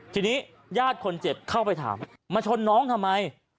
ทีนี้ญาติคนเจ็บเข้าไปถามมาชนน้องทำไม